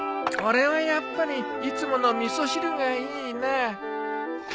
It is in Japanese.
俺はやっぱりいつもの味噌汁がいいな。